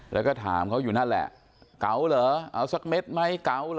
แล้วก็ถามเขาอยู่นั่นแหละเก๋าเหรอเอาสักเม็ดไหมเก๋าเหรอ